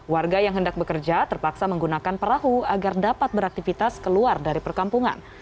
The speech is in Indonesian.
warga yang hendak bekerja terpaksa menggunakan perahu agar dapat beraktivitas keluar dari perkampungan